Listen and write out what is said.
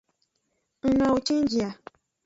Ng nawo cenji a.